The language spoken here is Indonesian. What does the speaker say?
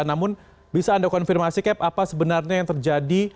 namun bisa anda konfirmasi cap apa sebenarnya yang terjadi